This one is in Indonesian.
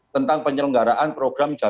tentang penyelenggaraan program